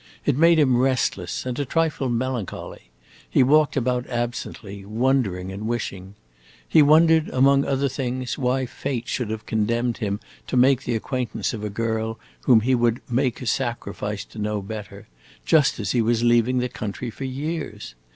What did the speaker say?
It made him restless, and a trifle melancholy; he walked about absently, wondering and wishing. He wondered, among other things, why fate should have condemned him to make the acquaintance of a girl whom he would make a sacrifice to know better, just as he was leaving the country for years.